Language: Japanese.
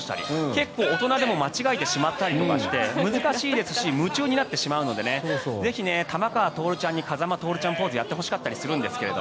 結構、大人でも間違えたりしてしまったりして難しいですし夢中になってしまうのでぜひ、玉川徹ちゃんに風間トオルちゃんポーズをやってもらいたかったりしますが。